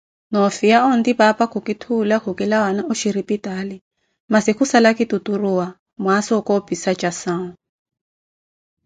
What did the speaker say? noofiya onti, paapa kukitthuula khukilawana oshiripitaali, masi kusala ki tuturuwa mwaasa wa okoopisa jasau.